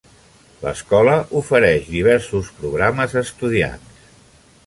L'escola ofereix diversos programes a estudiants.